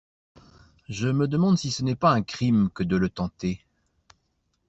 Je me demande si ce n'est pas un crime que de le tenter!